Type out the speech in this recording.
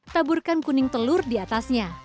taburkan kuning telur di atasnya